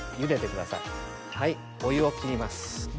お湯を切ります